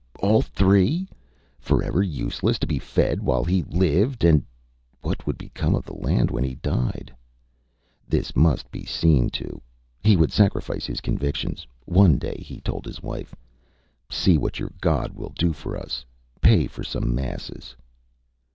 All three. Forever useless, to be fed while he lived and ... What would become of the land when he died? This must be seen to. He would sacrifice his convictions. One day he told his wife ÂSee what your God will do for us. Pay for some masses.